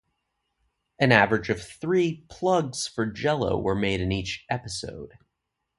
An average of three "plugs" for Jell-O were made in each episode.